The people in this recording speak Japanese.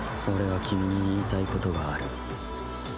俺は君に言いたいことがある。